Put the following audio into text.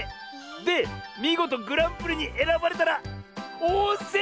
でみごとグランプリにえらばれたらおんせんりょこうだって！